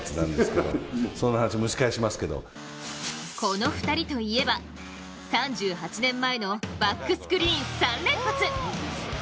この２人といえば、３８年前のバックスクリーン３連発。